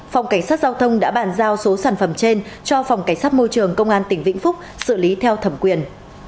phòng cảnh sát giao thông đã bàn giao số sản phẩm trên cho phòng cảnh sát môi trường công an tỉnh vĩnh phúc xử lý theo thẩm quyền